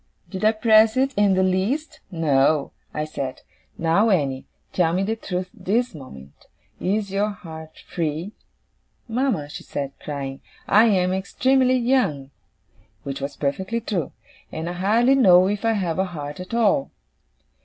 Did I press it in the least? No. I said, "Now, Annie, tell me the truth this moment; is your heart free?" "Mama," she said crying, "I am extremely young" which was perfectly true "and I hardly know if I have a heart at all."